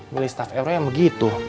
beli staff ero yang begitu